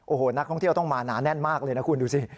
โอ้โหนักท่องเที่ยวต้องมาหนาแน่นมากเลยนะคุณดูสิ